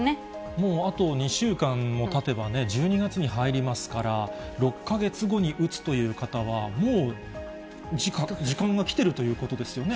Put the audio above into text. もうあと２週間もたてばね、１２月に入りますから、６か月後に打つという方は、もう時間が来てるということですよね。